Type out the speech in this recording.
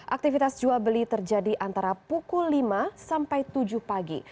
aktivitas jual beli terjadi antara pukul lima sampai tujuh pagi